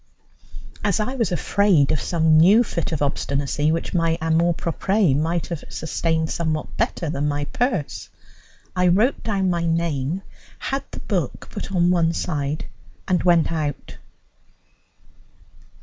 As I was afraid of some new fit of obstinacy, which my amour propre might have sustained somewhat better than my purse, I wrote down my name, had the book put on one side, and went out.